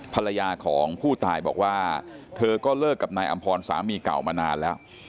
ภรรยาของผู้ตายบอกว่าเธอก็เลิกกับนายอำพรสามีเก่ามานานแล้ว